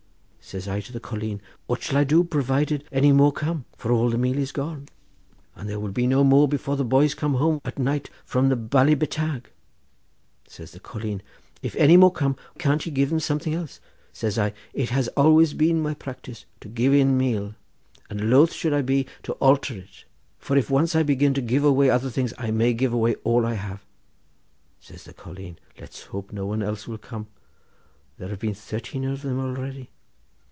Says I to the colleen: 'What shall I do provided any more come, for all the meal is gone and there will be no more before the boys come home at night from the ballybetagh.' Says the colleen: 'If any more come, can't ye give them something else?' Says I: 'It has always been my practice to give in meal, and loth should I be to alter it; for if once I begin to give away other things, I may give away all I have.' Says the colleen: 'Let's hope no one else will come: there have been thirteen of them already.